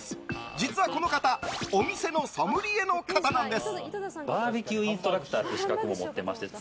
実はこの方お店のソムリエの方なんです。